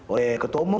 oleh ketua umum